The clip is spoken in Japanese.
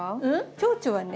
チョウチョはね